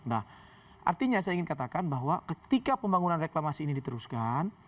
nah artinya saya ingin katakan bahwa ketika pembangunan reklamasi ini diteruskan